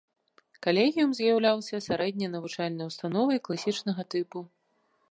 Калегіум з'яўляўся сярэдняй навучальнай установай класічнага тыпу.